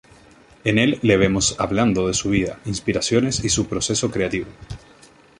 En el le vemos hablando de su vida, inspiraciones y su proceso creativo.